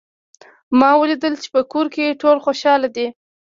ما ولیدل چې په کور کې ټول خوشحال دي